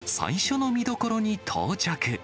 そして、最初の見どころに到着。